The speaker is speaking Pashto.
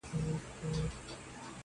خانان او پاچاهان له دې شیطانه په امان دي!